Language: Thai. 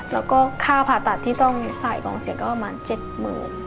แล้วก็ค่าผ่าตัดที่ต้องใส่กองเสียงก็ประมาณ๗๐๐๐บาท